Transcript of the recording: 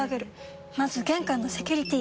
まず玄関のセキュリティ！